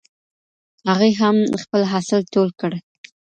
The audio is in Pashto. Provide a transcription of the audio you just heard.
هغې هم خپل حاصل ټول کړ.